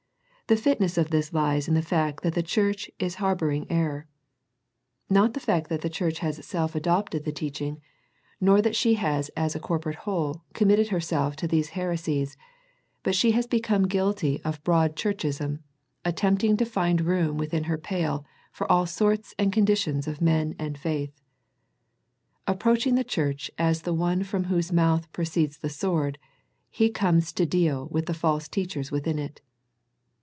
The fitness of this lies in the fact that the church is harbour ing error. Not that the church has itself 83 84 A First Century Message adopted the teaching, nor that she has as a corporate whole, committed herself to these heresies, but she has become guilty of Broad ^hurchism, attempting to find room within her pale for all sorts and conditions of men and fj^iths. Approaching the church as the One from Whose mouth proceeds the sword. He comes to deal with the false teachers within it.